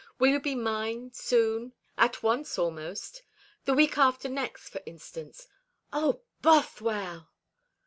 Will you be mine soon; at once almost? The week after next, for instance." "O Bothwell!"